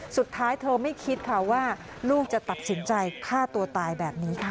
สุดท้ายเธอไม่คิดค่ะว่าลูกจะตัดสินใจฆ่าตัวตายแบบนี้ค่ะ